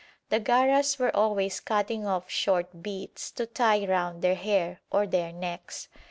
The Garas were always cutting off short bits to tie round their hair or their necks.